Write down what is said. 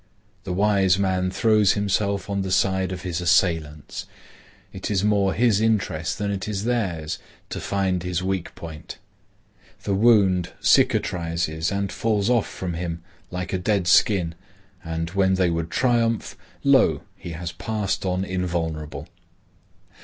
The wise man throws himself on the side of his assailants. It is more his interest than it is theirs to find his weak point. The wound cicatrizes and falls off from him like a dead skin and when they would triumph, lo! he has passed on invulnerable.